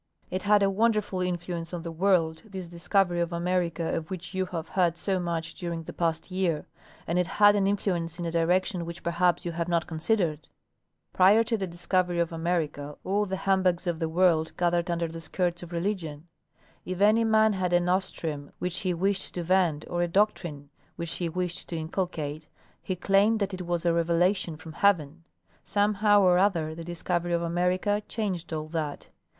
It had a Avonderful influence on the world, this discovery of America of which you have heard so much during the past year ; and it had an influence in a direction which perhaps you have not considered. 108 International Geographic Conference. Prior to the discovery of America, all the humbugs of the world gathered under the skirts of religion. 'If any man had a nostrum which he wished to vend or a doctrine which he wished to inculcate, he claimed that it was a revelation from heaven. Somehow or other the discovery of America changed all that.